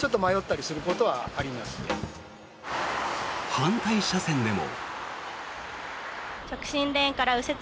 反対車線でも。